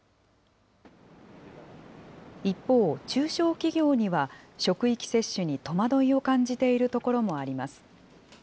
一方、中小企業には、職域接種に戸惑いを感じている所もあります。